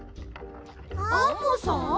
アンモさん！